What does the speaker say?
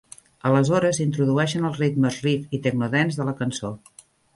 Aleshores, s'introdueixen els ritmes riff i tecno-dance de la cançó